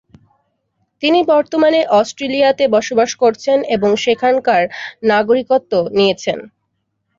তিনি বর্তমানে অস্ট্রেলিয়াতে বসবাস করছেন এবং সেখানকার নাগরিকত্ব নিয়েছেন।